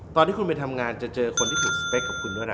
ตอนที่คุณไปทำงานจะเจอคนที่ถือสเปคกับคุณด้วยนะ